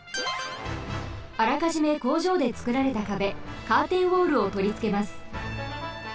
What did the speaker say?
あらかじめ工場でつくられた壁カーテンウォールをとりつけます。